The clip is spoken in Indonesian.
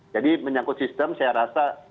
jadi menyangkut sistem saya rasa